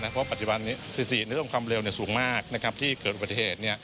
เพราะว่าปัจจุบันนี้สิทธิ์นิดลงความเร็วสูงมากที่เกิดประเทศ